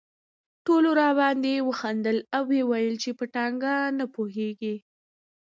ټولو راباندې وخندل او ویې ویل په ټاکنه نه پوهېږي.